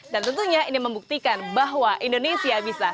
dan tentunya ini membuktikan bahwa indonesia bisa